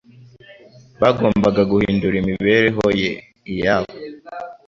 bagombaga guhindura imibereho Ye iyabo